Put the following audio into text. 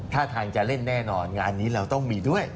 ถ้าทางจะเล่นแน่นอนงานนี้เราต้องมีด้วย